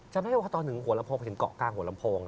จำได้ว่าตอนถึงหัวลำโพงไปถึงเกาะกลางหัวลำโพง